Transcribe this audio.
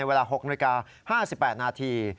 เวลา๖นาฬิกา๕๘นาที